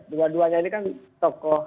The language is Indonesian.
dua duanya ini kan tokoh